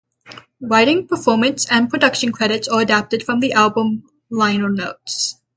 Writing, performance and production credits are adapted from the album liner notes.